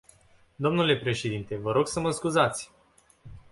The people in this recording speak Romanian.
Dle președinte, vă rog să mă scuzați.